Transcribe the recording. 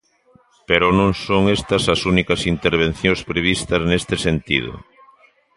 Pero non son estas as únicas intervencións previstas neste sentido.